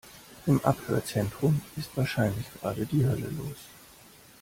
Im Abhörzentrum ist wahrscheinlich gerade die Hölle los.